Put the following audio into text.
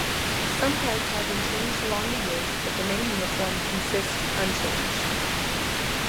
Some parts have been changed along the years, but the main uniform consists unchanged.